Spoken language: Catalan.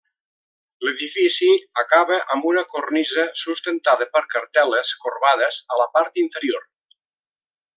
L'edifici acaba amb una cornisa sustentada per cartel·les corbades a la part inferior.